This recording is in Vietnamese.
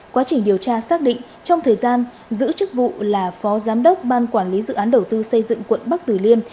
quá trình điều tra xác định trong thời gian giữ chức vụ là phó giám đốc ban quản lý dự án đầu tư xây dựng quận bắc tử liêm